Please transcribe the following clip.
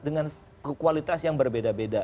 dengan kualitas yang berbeda beda